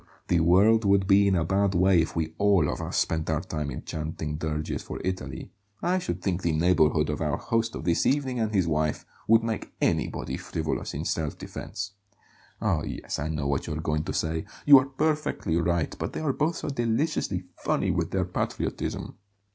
"Well, the world would be in a bad way if we ALL of us spent our time in chanting dirges for Italy. I should think the neighbourhood of our host of this evening and his wife would make anybody frivolous, in self defence. Oh, yes, I know what you're going to say; you are perfectly right, but they are both so deliciously funny with their patriotism.